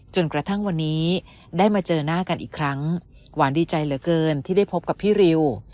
จนกระทั่งวันนี้ได้มาเจอหน้ากันอีกครั้งหวานดีใจเหลือเกินที่ได้พบกับพี่ริว